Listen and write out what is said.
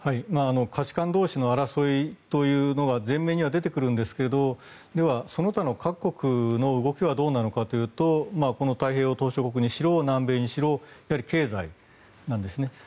価値観同士の争いというのが前面には出てくるんですがでは、その他の各国の動きはどうなのかというとこの太平洋島しょ国にしろ南米にしろやはり経済なんですね。